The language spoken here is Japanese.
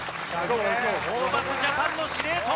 ホーバスジャパンの司令塔！